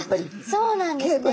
そうなんですね。